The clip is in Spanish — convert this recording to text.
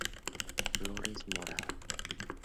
Flores moradas.